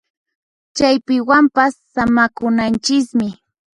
Chaypiwanpas samakunanchismi